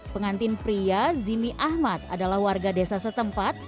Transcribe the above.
pengantin pria zimi ahmad adalah warga desa setempat